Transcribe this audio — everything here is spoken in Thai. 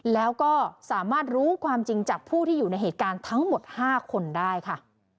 แล้วก็สามารถรู้ความจริงจากผู้ที่อยู่ในเหตุการณ์ทั้งหมด๕คนได้ค่ะ